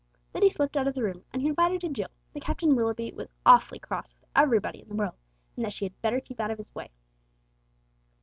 Then he slipped out of the room, and confided to Jill that Captain Willoughby was awfully cross with everybody in the world, and that she had better keep out of his way.